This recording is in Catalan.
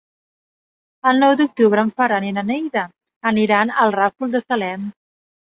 El nou d'octubre en Ferran i na Neida aniran al Ràfol de Salem.